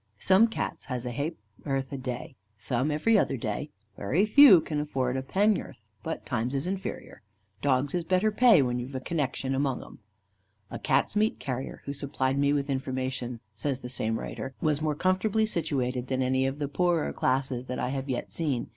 Some Cats has a hap'orth a day, some every other day; werry few can afford a penn'orth, but times is inferior. Dogs is better pay when you've a connection among 'em.' "A Cats' meat carrier who supplied me with information," says the same writer, "was more comfortably situated than any of the poorer classes that I have yet seen.